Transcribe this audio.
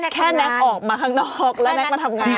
แค่แน็กซ์ออกมาข้างนอกแล้วแน็กซ์มาทำงานใช่ไหม